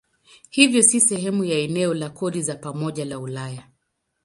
Hivyo si sehemu ya eneo la kodi za pamoja la Ulaya.